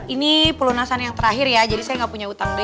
ini pelunasan yang terakhir ya jadi saya gak punya utang day nya